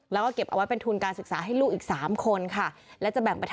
แล้วก็เก็บเอาไว้เป็นทุนการศึกษาให้ลูกอีก๓คนค่ะ